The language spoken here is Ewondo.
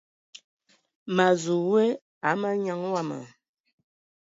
Ma zu we ai manyaŋ wama.